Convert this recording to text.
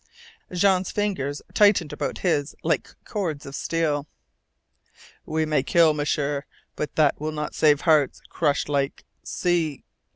Jean's fingers tightened about his like cords of steel. "We may kill, M'sieur, but that will not save hearts crushed like See!